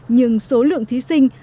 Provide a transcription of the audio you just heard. nhưng số lượng thí sinh